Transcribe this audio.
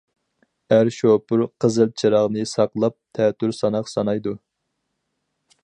ئەر شوپۇر: قىزىل چىراغنى ساقلاپ، تەتۈر ساناق سانايدۇ.